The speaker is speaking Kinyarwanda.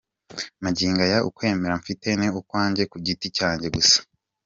Magingo aya ukwemera mfite ni ukwanjye ku giti cyanjye gusa.